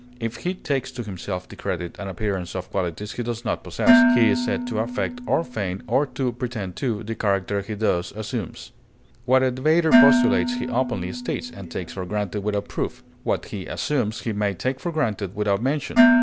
If he takes to himself the credit and appearance of qualities he does not possess, he is said to affect or feign, or to pretend to, the character he thus assumes. What a debater postulates he openly states and takes for granted without proof; what he assumes he may take for granted without mention.